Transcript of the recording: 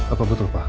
apa betul pak